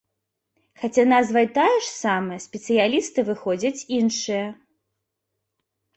Хаця назва і тая ж самая, спецыялісты выходзяць іншыя.